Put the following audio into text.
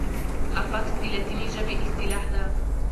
افکس د لاتیني ژبي اصطلاح ده.